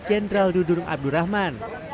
jenderal dudur abdul rahman